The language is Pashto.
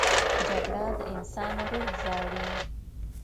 جګړه د انسان روح ژاړي